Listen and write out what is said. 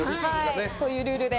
そういうルールで。